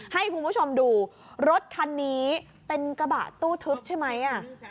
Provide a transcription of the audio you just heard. ให้คุณผู้ชมดูรถคันนี้เป็นกระบะตู้ทึบใช่ไหม